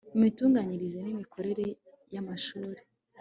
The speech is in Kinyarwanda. imitunganyirize n imikorere y Amashuri